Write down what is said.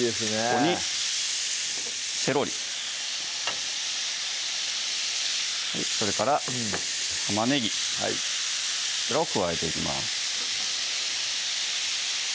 ここにセロリそれから玉ねぎこちらを加えていきます